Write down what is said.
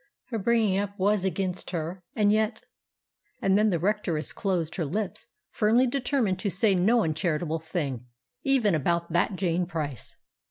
Her bringing up was against her. And yet——" And then the Rectoress closed her lips firmly determined to say no uncharitable thing, even about "that Jane Price."